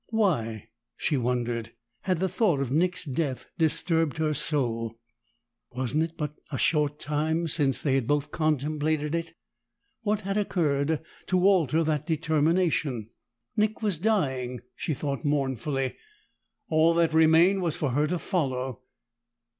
Why, she wondered, had the thought of Nick's death disturbed her so? Wasn't it but a short time since they had both contemplated it? What had occurred to alter that determination? Nick was dying, she thought mournfully; all that remained was for her to follow.